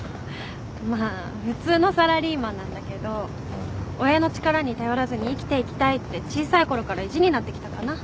まあ普通のサラリーマンなんだけど親の力に頼らずに生きていきたいって小さいころから意地になってきたかな。